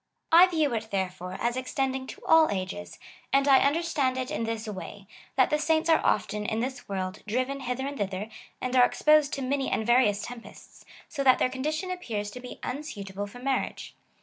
I view it, therefore, as extending to all ages, and I understand it in this way, that the saints are often, in tliis world, driven hither and thither, and are exposed to many and various tempests,^ so that their condition appears to be imsuitable for marriage.